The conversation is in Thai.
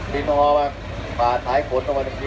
ดินภาวะผ่านท้ายผลลงไปตรงนี้